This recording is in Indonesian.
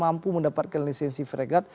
mampu mendapatkan lisensi fregat